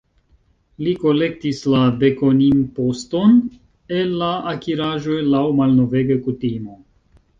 Li kolektis la dekonimposton el la akiraĵoj, laŭ malnovega kutimo.